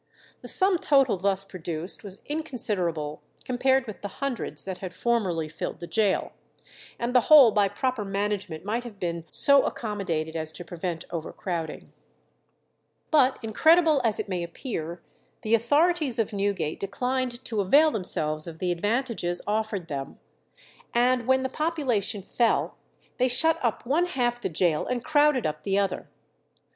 The sum total thus produced was inconsiderable compared with the hundreds that had formerly filled the gaol, and the whole by proper management might have been so accommodated as to prevent overcrowding. But incredible as it may appear, the authorities of Newgate declined to avail themselves of the advantages offered them, and when the population fell they shut up one half the gaol and crowded up the other.